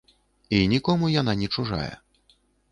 І нікому яна не чужая.